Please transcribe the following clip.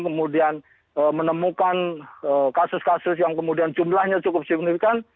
kemudian menemukan kasus kasus yang kemudian jumlahnya cukup signifikan